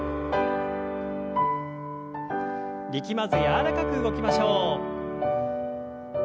力まず柔らかく動きましょう。